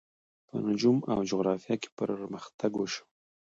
په نجوم او جغرافیه کې پرمختګ وشو.